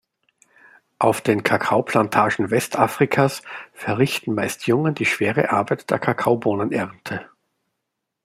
Auf den Kakaoplantagen Westafrikas verrichten meist Jungen die schwere Arbeit der Kakaobohnenernte.